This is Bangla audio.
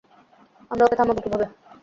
আমরা ওকে থামাবো কীভাবে?